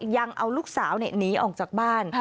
ยังเอาลูกสาวหนีออกจากบ้าน